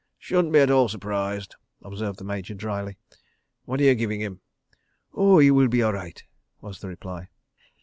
"Shouldn't be at all surprised," observed the Major dryly. "What are you giving him?" "Oah, he will be all right," was the reply.